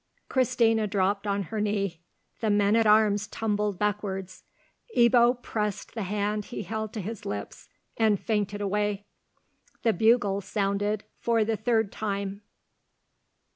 Christina dropped on her knee; the men at arms tumbled backwards; Ebbo pressed the hand he held to his lips, and fainted away. The bugle sounded for the third time.